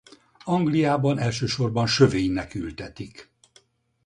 Angliában elsősorban sövénynek ültetik.